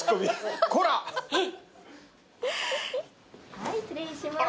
はい失礼します。